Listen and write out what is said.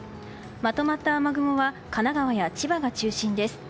まとまった雨雲は神奈川や千葉が中心です。